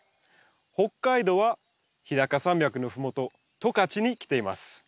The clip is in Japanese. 北海道は日高山脈のふもと十勝に来ています。